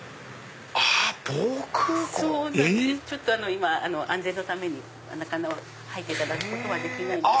今安全のために中に入っていただくことはできない。